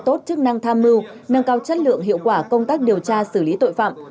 tốt chức năng tham mưu nâng cao chất lượng hiệu quả công tác điều tra xử lý tội phạm